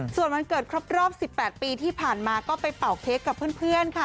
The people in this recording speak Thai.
ส่วนวันเกิดครบรอบ๑๘ปีที่ผ่านมาก็ไปเป่าเค้กกับเพื่อนค่ะ